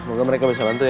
moga mereka bisa bantu ya